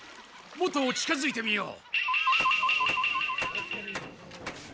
もっと近づいてみよう。